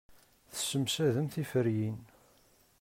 Tessemsadem tiferyin.